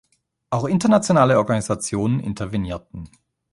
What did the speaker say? Auch internationale Organisationen intervenierten.